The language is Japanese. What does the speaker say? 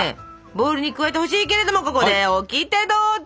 ボウルに加えてほしいけれどもここでオキテどうぞ！